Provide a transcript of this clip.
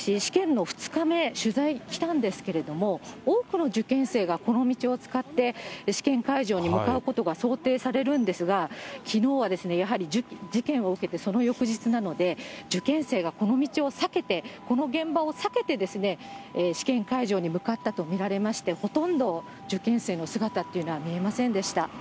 きのう、私、試験の２日目、取材来たんですけれども、多くの受験生がこの道を使って試験会場に向かうことが想定されるんですが、きのうはやはり事件を受けて、その翌日なので、受験生がこの道を避けて、この現場を避けて、試験会場に向かったと見られまして、ほとんど受験生の姿っていうのは見えませんでした。